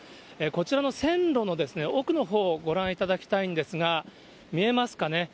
こちらの線路の奥のほう、ご覧いただきたいんですが、見えますかね。